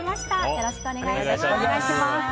よろしくお願いします。